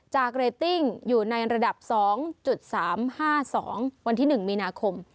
เรตติ้งอยู่ในระดับ๒๓๕๒วันที่๑มีนาคม